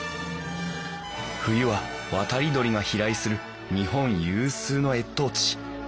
冬は渡り鳥が飛来する日本有数の越冬地。